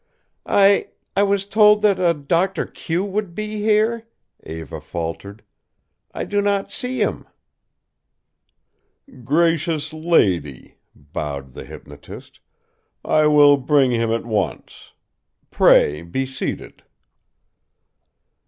"I I was told that a Doctor Q would be here," Eva faltered. "I do not see him." "Gracious lady," bowed the hyponotist, "I will bring him at once. Pray be seated."